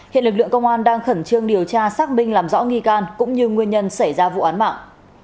hiện lực lượng công an đang khẩn trương điều tra xác minh làm rõ nghi can cũng như nguyên nhân xảy ra vụ án mạng